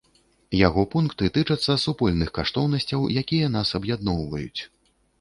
Яго пункты тычацца супольных каштоўнасцяў, якія нас аб'ядноўваюць.